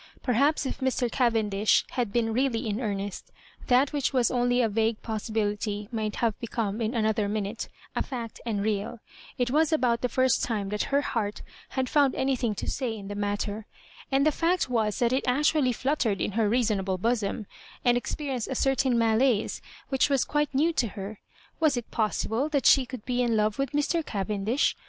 Perhaps if Mr. Cavendish bad been really in earnest, that which was only a vague possibility might have become, in another minute, a fact and real It was about the first time that her heart had found anything to say in the matter ; and the fact was that it actually fluttered in her reasonable bosom, and experienced a certain mdiaue which was quite new to her. Was it possible that she could be in love with Mr. Cavendish